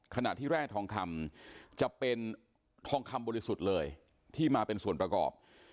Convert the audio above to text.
ขณะที่แร่ทองคำจะเป็นทองคำบริสุทธิ์เลยที่มาเป็นส่วนประกอบ